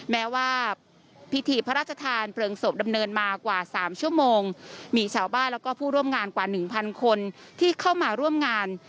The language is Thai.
แม้ว่าพิธีพระราชทานเพลิงศพดำเนินมากว่า๓ชั่วโมงมีชาวบ้านแล้วก็ผู้ร่วมงานกว่าหนึ่งพันคนที่เข้ามาร่วมงาน